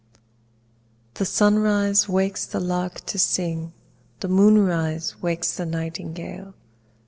The sunrise wakes the lark to sing, The moonrise wakes the nightingale.